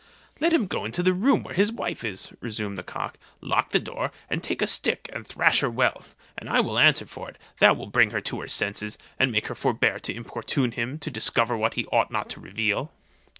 "Let him go into the room where his wife is," resumed the cock, "lock the door, and take a stick and thrash her well; and I will answer for it, that will bring her to her senses, and make her forbear to importune him to discover what he ought not to reveal."